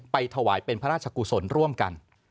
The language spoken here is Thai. ถวายเป็นพระราชกุศลร่วมกัน